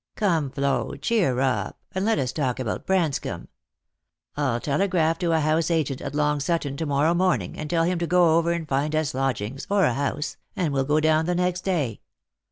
Come, Flo, cheer up, and let us talk about Branscomb. I'll telegraph to a house agent at Long Sutton to morrow morning, and tell him to go over and find us lodgings, or a house, and we'll go down the next day.